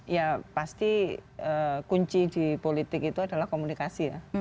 ya pasti kunci di politik itu adalah komunikasi ya